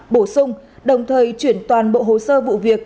bổ sung đồng thời chuyển toàn bộ hồ sơ vụ việc